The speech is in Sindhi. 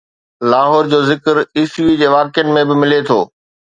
لاهور جو ذڪر عيسوي جي واقعن ۾ به ملي ٿو